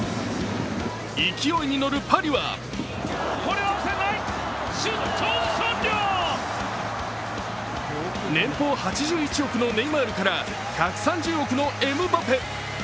勢いに乗るパリは年棒８１億のネイマールから１３０億のエムバペ。